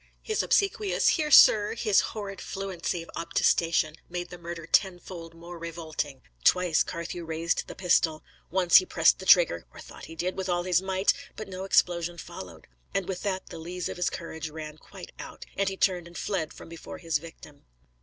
His obsequious "Here, sir," his horrid fluency of obtestation, made the murder tenfold more revolting. Twice Carthew raised the pistol, once he pressed the trigger (or thought he did) with all his might, but no explosion followed; and with that the lees of his courage ran quite out, and he turned and fled from before his victim.